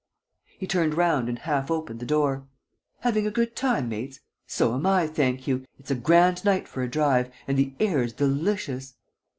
... He turned round and half opened the door: "Having a good time, mates? So am I, thank you. It's a grand night for a drive and the air's delicious!